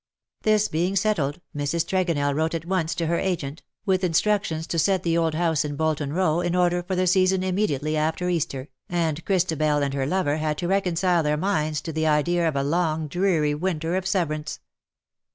''" This being settled, Mrs. Tregonell wrote at once to her agent, with instructions to set the old house 138 "the silver answer rang, — in Bolton Row in order for the season immediately after Easter^ and Christabel and her lover had to reconcile their minds to the idea of a long dreary winter of severance.